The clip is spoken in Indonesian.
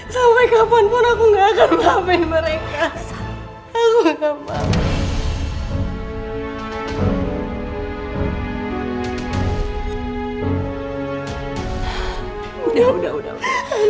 sampai kapanpun aku gak akan ngambil mereka